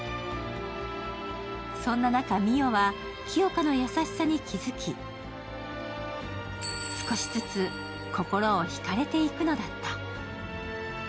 そんな中、美世は清霞の優しさに気づき、少しずつ心を引かれていくのだった。